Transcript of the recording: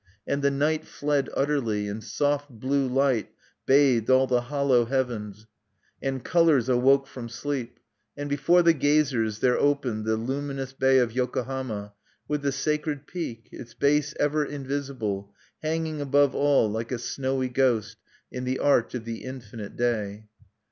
And the night fled utterly; and soft blue light bathed all the hollow heaven; and colors awoke from sleep; and before the gazers there opened the luminous bay of Yokohama, with the sacred peak, its base ever invisible, hanging above all like a snowy ghost in the arch of the infinite day.